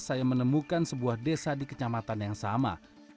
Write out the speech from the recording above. saya menemukan sebuah desa di kecamatan yang sama